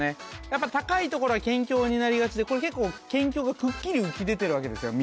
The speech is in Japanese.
やっぱ高いところは県境になりがちでこれ結構県境がくっきり浮き出てるわけですよ